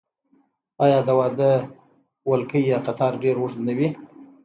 آیا د واده ولکۍ یا قطار ډیر اوږد نه وي؟